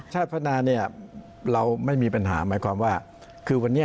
พัฒนาเนี่ยเราไม่มีปัญหาหมายความว่าคือวันนี้